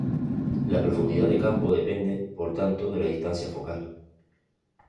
La profundidad de campo depende por tanto de la distancia focal.